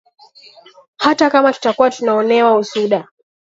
hata kama tutakuwa tunaonewa usuda